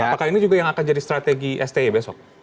apakah ini juga yang akan jadi strategi sti besok